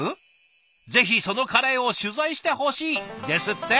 「ぜひそのカレーを取材してほしい」ですって。